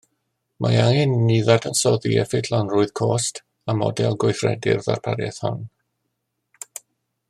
Mae angen i ni ddadansoddi effeithiolrwydd cost a model gweithredu'r ddarpariaeth hon